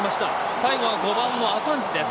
最後は５番のアカンジです。